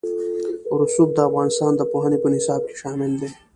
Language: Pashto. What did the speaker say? رسوب د افغانستان د پوهنې په نصاب کې شامل دي.